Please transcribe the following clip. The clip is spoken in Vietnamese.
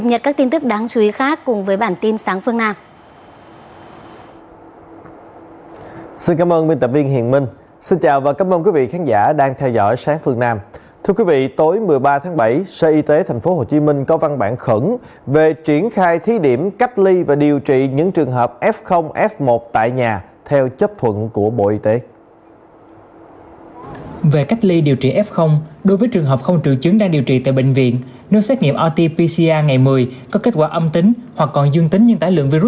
hãy đăng ký kênh để ủng hộ kênh của mình nhé